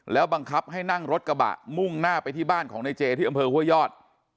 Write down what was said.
บังคับให้นั่งรถกระบะมุ่งหน้าไปที่บ้านของในเจที่อำเภอห้วยยอด